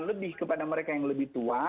lebih kepada mereka yang lebih tua